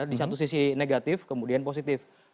di satu sisi negatif kemudian positif